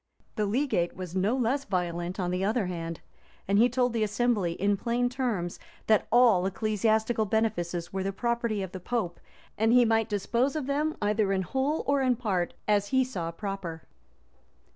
[*] The legate was no less violent on the other hand; and he told the assembly, in plain terms, that all ecclesiastical benefices were the property of the pope, and he might dispose of them, either in whole or in part, as he saw proper.